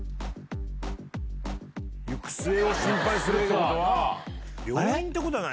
行く末を心配するってことは。